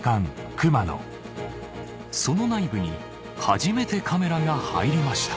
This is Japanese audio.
その内部に初めてカメラが入りました